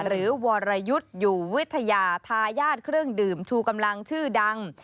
หรือวรยุทธ์อยู่วิทยาทายาทเครื่องดื่มชูกำลังชื่อดัง